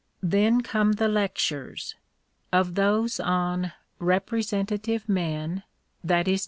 Then come the lectures. Of those on " Repre sentative Men "— i.e.